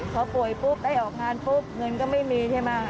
พอป่วยปุ๊บได้ออกงานปุ๊บเงินก็ไม่มีใช่ไหม